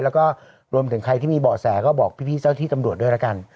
แล้วก็รวมถึงใครที่มีเบาะแสก็บอกพี่เจ้าที่ตำรวจด้วยแล้วกัน